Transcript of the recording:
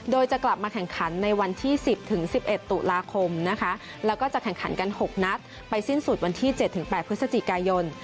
โดยจะกลับมาแข่งขันในวันที่๑๐๑๑ตุลาคมนะคะแล้วก็จะแข่งขันกัน๖นัดไปสิ้นสุดวันที่๗๘พฤศจิกายน